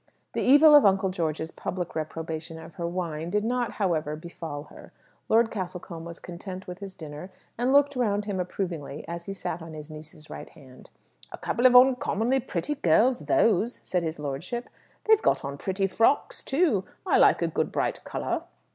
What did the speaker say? The evil of Uncle George's public reprobation of her wine did not, however, befall her. Lord Castlecombe was content with his dinner, and looked round him approvingly as he sat on his niece's right hand. "A couple of uncommonly pretty girls those," said his lordship. "They've got on pretty frocks, too; I like a good bright colour."